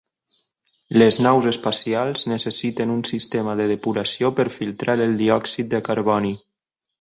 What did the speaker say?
Les naus espacials necessiten un sistema de depuració per filtrar el diòxid de carboni.